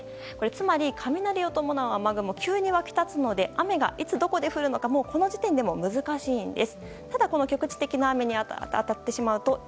つまり、雷を伴う雨雲が急に湧き立つので雨がいつどこで降るのかこの時点でも難しいんです。